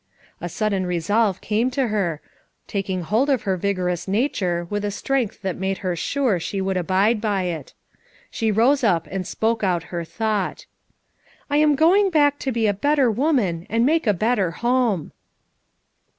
A sudden resolve came to her, taking hold of her vigorous nature with a strength that made her sure she would abide by it. She rose up and spoke out her thought "I am going back to be a better woman and make a better home."